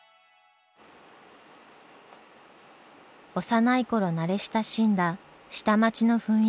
幼い頃慣れ親しんだ下町の雰囲気。